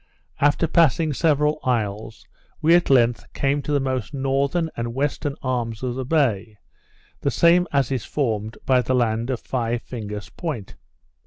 After passing several isles, we at length came to the most northern and western arms of the bay; the same as is formed by the land of Five Fingers Point.